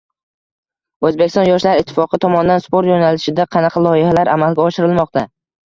O‘zbekiston yoshlar ittifoqi tomonidan Sport yo‘nalishida qanaqa loyihalar amalga oshirilmoqda?